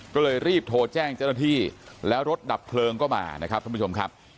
ก็เลยรีบโทรแจ้งเจ้าหน้าที่แล้วรถดับเพลิงก็มานะครับท่านผู้ชมครับ